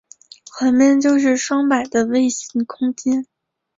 环面就是双摆的位形空间。